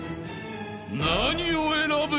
［何を選ぶ？］